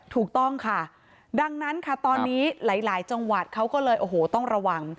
ถูกต้องค่ะดังนั้นค่ะตอนนี้หลายจังหวัดเขาก็เลยโอ้โหต้องระวัง